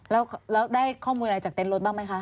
แล้วได้ข้อมูลอะไรจากเต้นรถบ้างไหมคะ